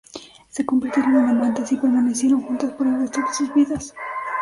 Se convirtieron en amantes y permanecieron juntas por el resto de sus vidas.